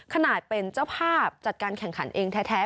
ขนาดเป็นเจ้าภาพจัดการแข่งขันเองแท้